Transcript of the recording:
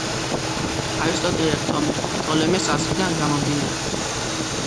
არისტოტელე-პტოლემეს აზრიდან გამომდინარე,